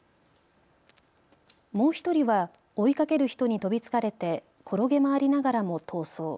もう１人は追いかける人に飛びつかれて転げ回りながらも逃走。